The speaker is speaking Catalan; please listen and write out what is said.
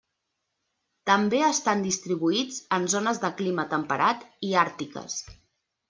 També estan distribuïts en zones de clima temperat i àrtiques.